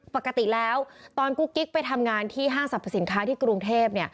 ปกติแล้วตอนกุ๊กกิ๊กไปทำงานที่ห้างสรรพสินค้าที่กรุงเทพ